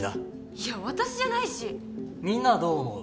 いや私じゃないしみんなはどう思う？